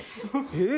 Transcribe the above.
え？